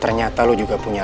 tepat didi tuk passesnya